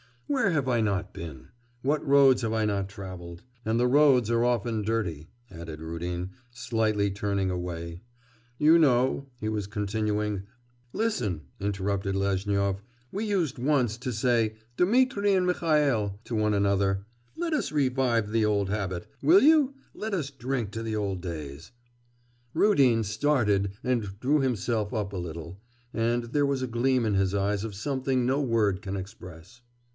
Where have I not been! What roads have I not travelled!... And the roads are often dirty,' added Rudin, slightly turning away. 'You know ...' he was continuing.... 'Listen,' interrupted Lezhnyov. 'We used once to say "Dmitri and Mihail" to one another. Let us revive the old habit,... will you? Let us drink to those days!' Rudin started and drew himself up a little, and there was a gleam in his eyes of something no word can express.